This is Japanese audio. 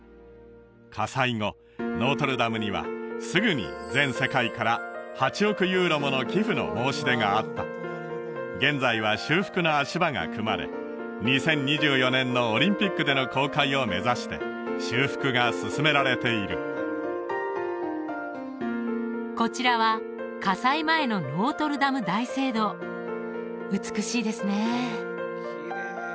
火災後ノートルダムにはすぐに全世界から８億ユーロもの寄付の申し出があった現在は修復の足場が組まれ２０２４年のオリンピックでの公開を目指して修復が進められているこちらは火災前のノートルダム大聖堂美しいですね